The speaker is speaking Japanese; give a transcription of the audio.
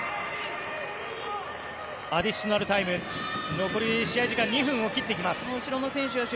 アディショナルタイム残り２分を切ってきます。